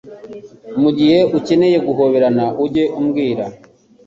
mugihe ukeneye guhoberana ujye umbwira